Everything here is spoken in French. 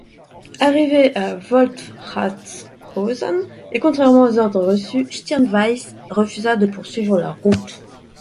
Arrivées à Wolfratshausen, et contrairement aux ordres reçus, Stirnweis refusa de poursuivre la route.